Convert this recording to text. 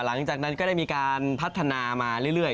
หลังจากนั้นก็ได้มีการพัฒนามาเรื่อย